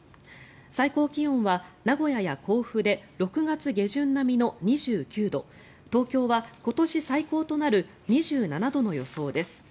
最高気温は名古屋や甲府で６月下旬並みの２９度東京は今年最高となる２７度の予想です。